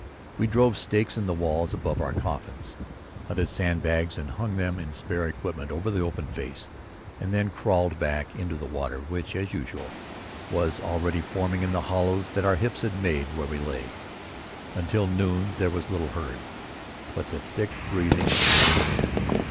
We drove stakes in the walls above our coffins, hunted sand bags and hung them and spare equipment over the open face and then crawled back into the water which, as usual, was already forming in the hollows that our hips made where we lay. Until noon there was little heard but the thick breathing of weary men.